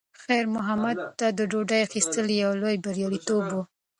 خیر محمد ته د ډوډۍ اخیستل یو لوی بریالیتوب و.